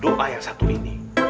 doa yang satu ini